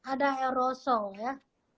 ada aerosol ya